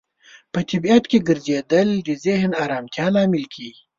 په طبیعت کې ګرځیدل د ذهني آرامتیا لامل کیږي.